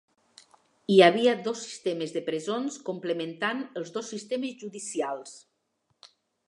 Hi havia dos sistemes de presons complementant els dos sistemes judicials.